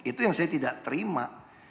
itu yang saya tidak terima